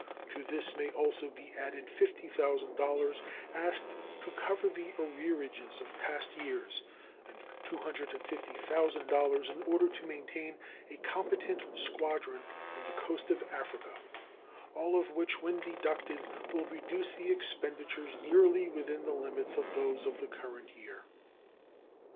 To this may also be added $50,000 asked to cover the arrearages of past years and $250,000 in order to maintain a competent squadron on the coast of Africa; all of which when deducted will reduce the expenditures nearly within the limits of those of the current year.